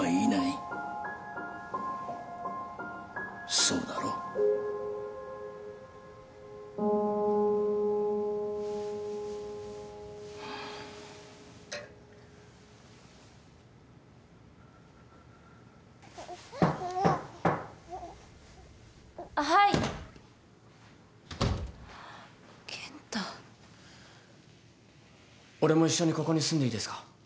俺も一緒にここに住んでいいですか？